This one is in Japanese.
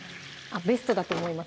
ベストだと思います